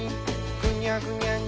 「ぐにゃぐにゃに！